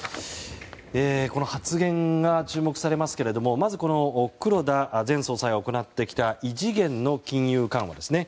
この発言が注目されますがまず、黒田前総裁が行ってきた異次元の金融緩和ですね。